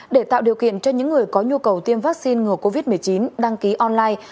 để tạo điều kiện cho những người có nhu cầu tiêm vaccine ngừa covid một mươi chín đăng ký online